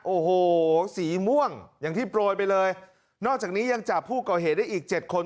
โอ้โหสีม่วงอย่างที่โปรยไปเลยนอกจากนี้ยังจับผู้ก่อเหตุได้อีกเจ็ดคน